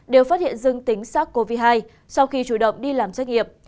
đều phát hiện dưng tính sars cov hai sau khi chủ động đi làm xét nghiệp